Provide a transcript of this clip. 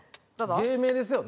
芸名ですよね？